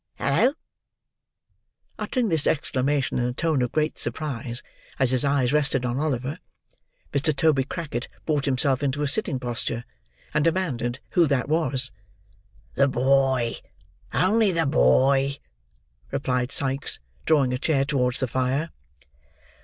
Hallo!" Uttering this exclamation in a tone of great surprise, as his eyes rested on Oliver, Mr. Toby Crackit brought himself into a sitting posture, and demanded who that was. "The boy. Only the boy!" replied Sikes, drawing a chair towards the fire.